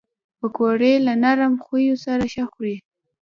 پکورې له نرم خویو سره ښه خوري